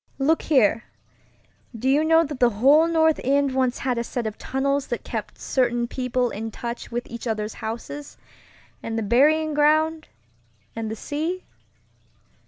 Look here, do you know the whole North End once had a set of tunnels that kept certain people in touch with each other's houses, and the burying ground, and the sea?